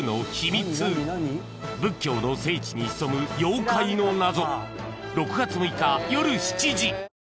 ［仏教の聖地に潜む妖怪の謎］